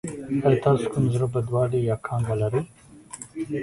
ایا تاسو کوم زړه بدوالی یا کانګې لرئ؟